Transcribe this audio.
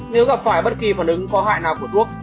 nếu gặp phải bất kỳ phản ứng có hại nào của thuốc